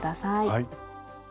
はい。